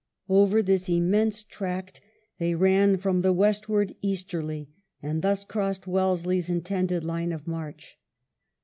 Over this immense tract they ran from the westward easterly, and thus crossed Wellesley's intended line of march.